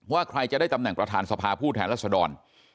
ใครจะได้ตำแหน่งประธานสภาผู้แทนรัศดร